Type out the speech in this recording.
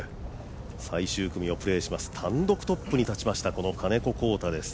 最終組をプレーします、単独トップに立ちました金子駆大です。